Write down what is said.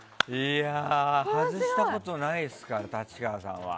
外したことないですからね立川さんは。